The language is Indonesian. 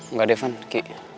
nggak devan ki